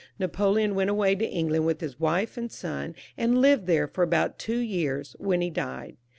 Napoleon went away to England with his wife and son, and lived there for about two years, when he died.